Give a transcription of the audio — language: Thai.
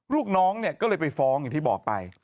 ลูกน้องเนี่ยก็เลยไปฟ้องอย่างที่บอกไป